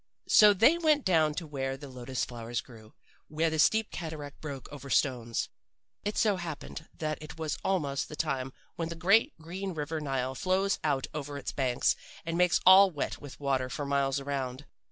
"So they went down to where the lotus flowers grew, where the steep cataract broke over stones. "It so happened that it was almost the time when the great green river Nile flows out over its banks and makes all wet with water for miles around.